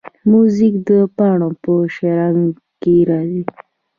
موزیک د پاڼو په شرنګ کې راځي.